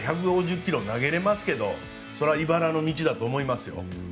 まだ１５０ｋｍ投げられますけどそれはいばらの道だと思いますよ。